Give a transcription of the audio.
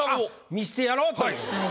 見してやろうという。